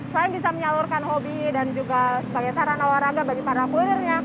selain bisa menyalurkan hobi dan juga sebagai sarana olahraga bagi para kurirnya